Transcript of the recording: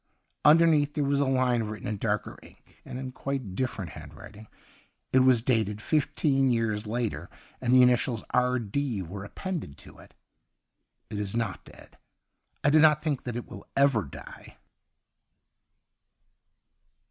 Underneath there was a line written in darker ink, and in quite a different handwriting. It was dated fifteen years later, and the initials R.D. were appended to it :' It is not dead. I do not think that it will ever die.'